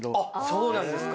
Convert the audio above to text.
そうなんですか。